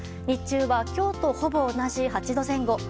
日中は今日とほぼ同じ８度前後。